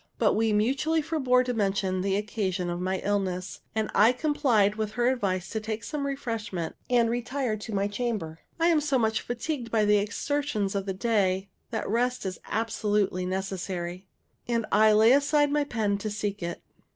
But we mutually forbore to mention the occasion of my illness; and I complied with her advice to take some refreshment, and retire to my chamber. I am so much fatigued by the exertions of the day that rest is absolutely necessary; and I lay aside my pen to seek it.